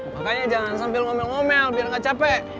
makanya jangan sambil ngomel ngomel biar gak capek